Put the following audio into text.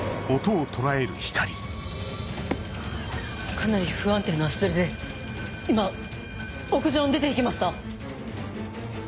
かなり不安定な足取りで今屋上に出て行きました。